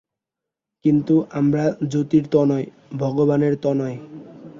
কিন্তু আমরা জ্যোতির তনয়, ভগবানের তনয়।